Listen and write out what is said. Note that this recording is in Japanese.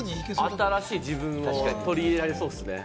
新しい自分に取り入れられそう。